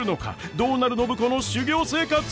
どうなる暢子の修業生活！？